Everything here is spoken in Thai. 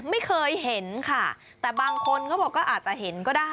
ไม่เคยเห็นค่ะแต่บางคนเขาบอกก็อาจจะเห็นก็ได้